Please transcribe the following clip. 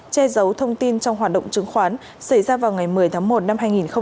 che giấu thông tin trong hoạt động chứng khoán xảy ra vào ngày một mươi tháng một năm hai nghìn hai mươi